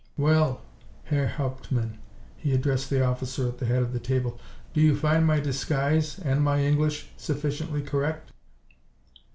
"Well, Herr Hauptmann," he addressed the officer at the head of the table, "do you find my disguise, and my English, sufficiently correct?"